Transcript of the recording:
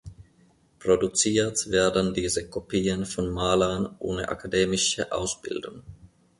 Produziert werden diese Kopien von Malern ohne akademische Ausbildung.